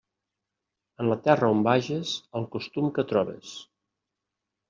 En la terra on vages, el costum que trobes.